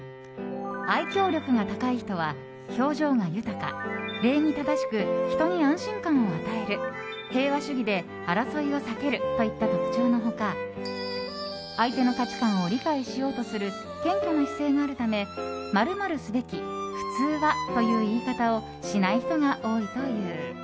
愛嬌力が高い人は、表情が豊か礼儀正しく人に安心感を与える平和主義で争いを避けるといった特徴の他相手の価値観を理解しようとする謙虚な姿勢があるため○○すべき、普通はという言い方をしない人が多いという。